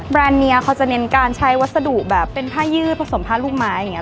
เนียเขาจะเน้นการใช้วัสดุแบบเป็นผ้ายืดผสมผ้าลูกไม้อย่างนี้